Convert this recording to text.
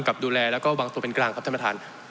ขออนุญาตประถงท่านประธานตามข้อ๙ครับ